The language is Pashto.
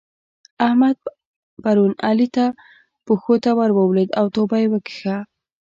احمد پرون علي ته پښو ته ور ولېد او توبه يې وکښه.